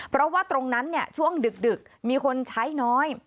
เพราะว่าตรงนั้นช่วงดึกมีคนใช้น้อย